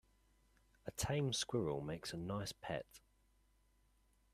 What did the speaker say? A tame squirrel makes a nice pet.